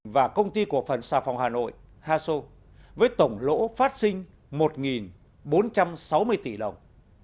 và công ty cổ phần xà phòng hà nội haso với tổng lỗ phát sinh một bốn trăm sáu mươi tỷ đồng